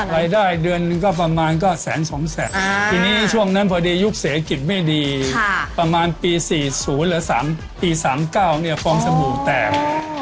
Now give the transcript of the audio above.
รายได้เดือนหนึ่งก็ประมาณก็แสนสองแสนทีนี้ช่วงนั้นพอดียุคเศรษฐกิจไม่ดีประมาณปี๔๐หรือ๓ปี๓๙เนี่ยฟองสบู่แตก